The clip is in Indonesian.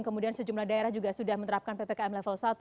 kemudian sejumlah daerah juga sudah menerapkan ppkm level satu